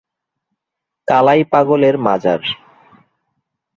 কালাই পাগল এর মাজার।